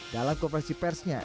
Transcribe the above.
dalam konversi persnya